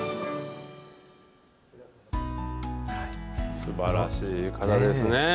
すばらしい方ですね。